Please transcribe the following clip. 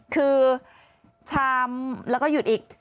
คือชามแล้วก็หยุดอีก